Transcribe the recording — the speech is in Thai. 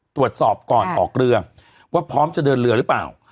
ตรวจสอบก่อนออกเรือว่าพร้อมจะเดินเรือหรือเปล่า